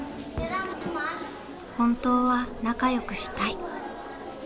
本当は仲よくしたい。